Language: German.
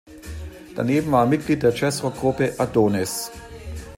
Daneben war er Mitglied der Jazzrock-Gruppe "Adonis".